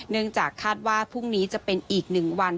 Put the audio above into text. เนื่องจากคาดว่าพรุ่งนี้จะเป็นอีก๑วัน